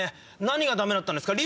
何がダメだったんですか？